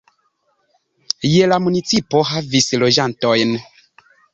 Je la la municipo havis loĝantojn.